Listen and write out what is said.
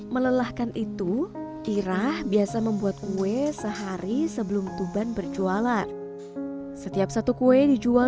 melelahkan itu irah biasa membuat kue sehari sebelum tuban berjualan setiap satu kue dijual